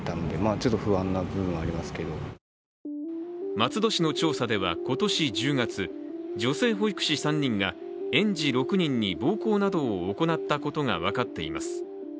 松戸市の調査では、今年１０月、女性保育士３人が園児６人に暴行などを行ったことが分かっています。